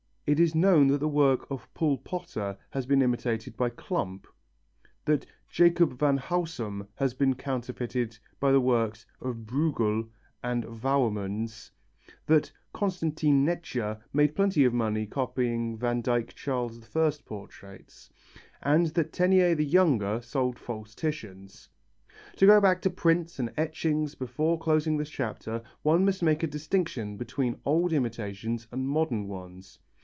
It is known that the work of Paul Potter has been imitated by Klomp, that Jacob van Huysum has counterfeited the work of Breughel and of Wouwermans, that Constantin Netscher made plenty of money copying Vandyke Charles I portraits, and that Teniers the Younger sold false Titians. To go back to prints and etchings before closing this chapter one must make a distinction between old imitations and modern ones.